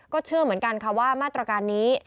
เชื่อเหมือนกันค่ะว่ามาตรการนี้